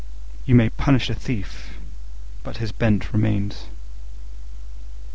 You may punish a thief, but his bent remains.